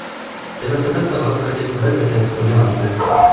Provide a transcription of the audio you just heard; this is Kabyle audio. Sima tufa-d tabɣest s wacu i teqbel dakken tettxemmim ɣef Maziɣ.